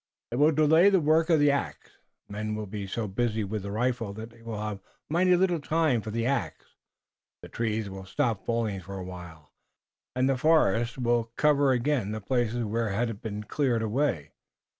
"It will delay the work of the ax. Men will be so busy with the rifle that they will have mighty little time for the ax. The trees will stop falling for a while, and the forest will cover again the places where it has been cleared away.